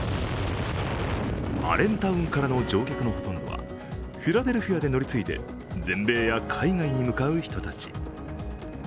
アレンタウンからの乗客のほとんどはフィラデルフィアで乗り継いで全米や海外に向かう人たち。